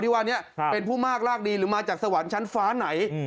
ว่านี้เป็นผู้มากรากดีหรือมาจากสวรรค์ชั้นฟ้าไหน